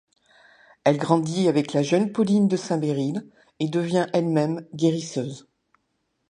Elle grandit avec la jeune Pauline de Saint-Béryl et devient elle-même guérisseuse.